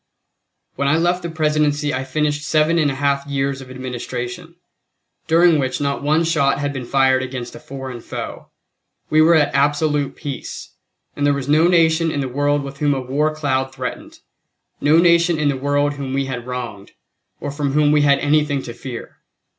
When I left the Presidency I finished seven and a half years of administration, during which not one shot had been fired against a foreign foe. We were at absolute peace, and there was no nation in the world with whom a war cloud threatened, no nation in the world whom we had wronged, or from whom we had anything to fear.